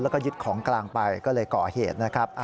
แล้วก็ยึดของกลางไปก็เลยก่อเหตุนะครับ